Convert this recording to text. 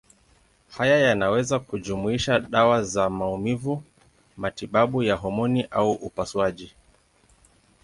Haya yanaweza kujumuisha dawa za maumivu, matibabu ya homoni au upasuaji.